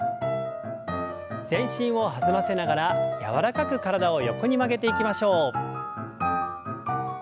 全身を弾ませながら柔らかく体を横に曲げていきましょう。